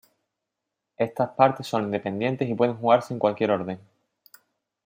Estas partes son independientes y pueden jugarse en cualquier orden.